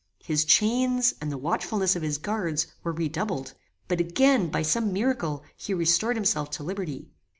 His chains, and the watchfulness of his guards, were redoubled; but again, by some miracle, he restored himself to liberty.